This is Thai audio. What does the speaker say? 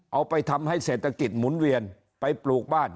เอาไปทำให้เศรษฐกิจหมุนเวียนไปปลูกบ้าน